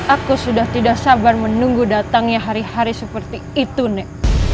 aku sudah tidak sabar menunggu datangnya hari hari seperti itu nek